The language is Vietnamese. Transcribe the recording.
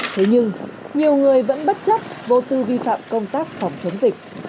thế nhưng nhiều người vẫn bất chấp vô tư vi phạm công tác phòng chống dịch